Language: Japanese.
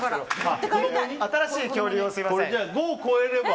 新しい恐竜を。